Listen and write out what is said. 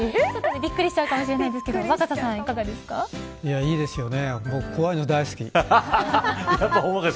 ちょっとびっくりしちゃうかもしれないですけど僕、怖いの大好き。